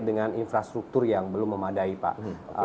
dengan infrastruktur yang belum memadai pak